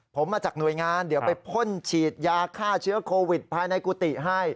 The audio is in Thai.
ผมมาจากหน่วยงานเดี๋ยวไปพ่นฉีดยาฆ่าเชื้อโควิดภายในกุฏิให้